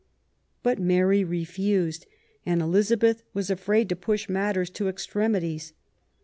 But Mary refused and Elizabeth was afraid to push matters to extremities.